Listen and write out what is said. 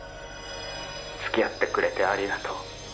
付き合ってくれてありがとう」「」